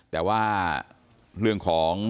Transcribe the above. แต่ว่าเรื่องของ